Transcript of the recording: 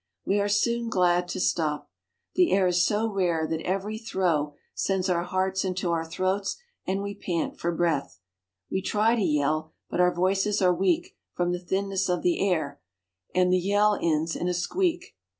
We are soon" glad to stop. The air is so rare that every throw sends our hearts into our throats, and we pant for breath. We try to yell, but our voices are weak from the thinness of the air, and the yell ends in a squeak.